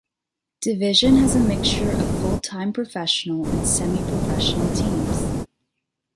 Division has a mixture of full-time professional and semi-professional teams.